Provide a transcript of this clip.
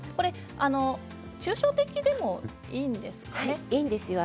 抽象的でもいいんですよね。